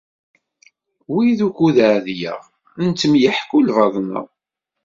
Win ukud ɛedleɣ, nettemyeḥku lbaḍna.